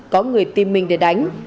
có người tìm mình để đánh